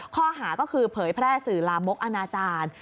ข้อหาก็คือเผยแพร่สื่อลามกอนาจารย์